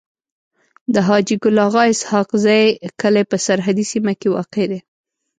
د حاجي ګل اغا اسحق زی کلی په سرحدي سيمه کي واقع دی.